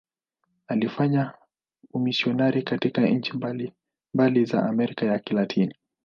Alifanya umisionari katika nchi mbalimbali za Amerika ya Kilatini.